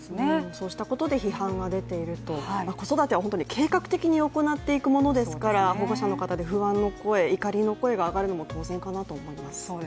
そうしたことで批判が出ていると、子育ては本当に計画的に行っていくものですから保護者の方で不安の声、怒りの声が上がるのは当然かなと思います。